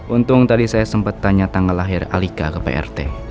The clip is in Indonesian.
untung tadi saya sempat tanya tanggal lahir alika ke prt